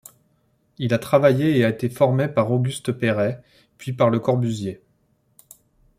Il a travaillé et a été formé par Auguste Perret puis par Le Corbusier.